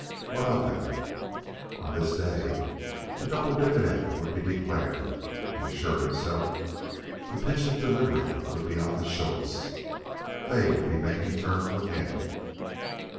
What of that? On this day the double dividend would be declared, he assured himself. The pinch of delivery would be on the shorts. They would be making terms with him.